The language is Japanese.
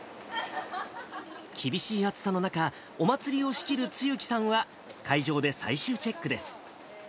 厳しい暑さの中、お祭りを仕切る露木さんは、会場で最終チェックです。